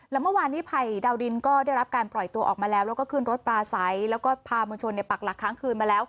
แล้วเมื่อวานนี้ภัยดาวดินก็ได้รับการปล่อยตัวออกมาแล้วแล้วก็ขึ้นรถปลาใสแล้วก็พามวลชนปักหลักค้างคืนมาแล้ว